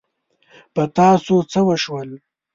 په تاسو څه وشول؟